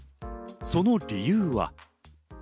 その理由は。